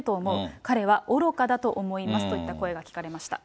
彼はおろかだと思いますといった声が聞かれました。